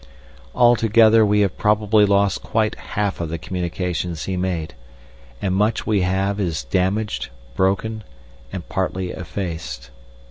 Altogether we have probably lost quite half of the communications he made, and much we have is damaged, broken, and partly effaced.